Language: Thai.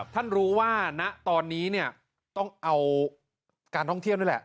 ท่านรู้ว่าตอนนี้เนี่ยต้องเอาการท่องเที่ยวด้วยแหละ